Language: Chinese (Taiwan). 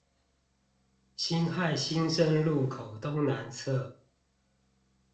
辛亥新生路口東南側